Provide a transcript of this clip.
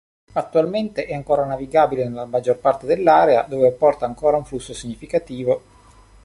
Attualmente, è ancora navigabile nella maggior parte dell'area dove porta ancora un flusso significativo.